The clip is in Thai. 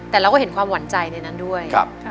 แต่เราก็เห็นความหวั่นใจในนั้นด้วย